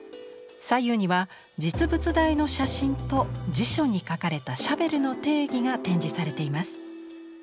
左右には実物大の写真と辞書に書かれたシャベルの定義が展示されています。